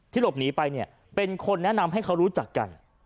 หลบหนีไปเนี่ยเป็นคนแนะนำให้เขารู้จักกัน